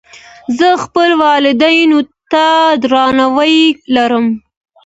زه خپلو والدینو ته درناوی لرم.